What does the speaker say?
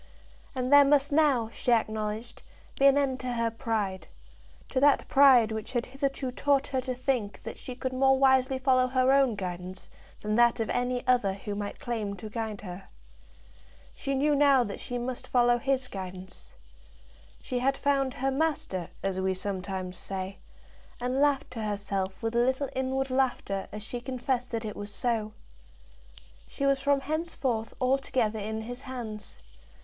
And there must now, she acknowledged, be an end to her pride, to that pride which had hitherto taught her to think that she could more wisely follow her own guidance than that of any other who might claim to guide her. She knew now that she must follow his guidance. She had found her master, as we sometimes say, and laughed to herself with a little inward laughter as she confessed that it was so. She was from henceforth altogether in his hands.